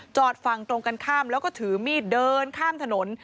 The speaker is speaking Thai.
ฝั่งตรงกันข้ามแล้วก็ถือมีดเดินข้ามถนน